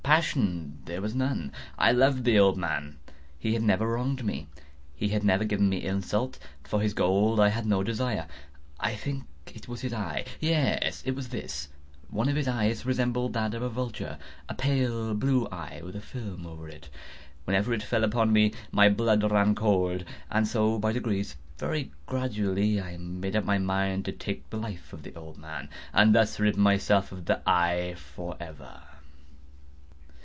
Passion there was none. I loved the old man. He had never wronged me. He had never given me insult. For his gold I had no desire. I think it was his eye! yes, it was this! He had the eye of a vulture—a pale blue eye, with a film over it. Whenever it fell upon me, my blood ran cold; and so by degrees—very gradually—I made up my mind to take the life of the old man, and thus rid myself of the eye forever.